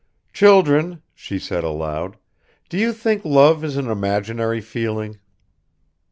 ." "Children," she said aloud, "do you think love is an imaginary feeling?"